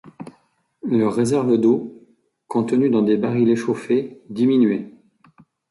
Leur réserve d’eau, contenue dans des barils échauffés, diminuait.